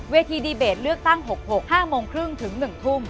เวทีดีเบตเลือกตั้ง๖๖น๕๓๐นถึง๑ทุ่ม